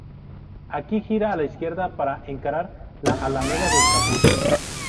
Aquí gira a la izquierda para encarar la Alameda de Capuchinos.